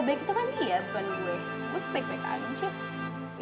gue suka baik baik aja cuk